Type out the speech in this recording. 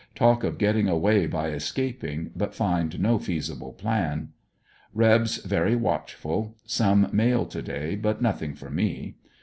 Talk of getting away by escaping, but find no feasible plan. Rebs very watchful. Some mail to day but nothing for me.